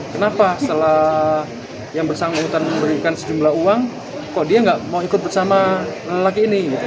kenapa setelah yang bersangkutan memberikan sejumlah uang kok dia nggak mau ikut bersama lelaki ini